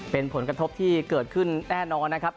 เป็นผลกระทบที่เกิดขึ้นแน่นอนนะครับ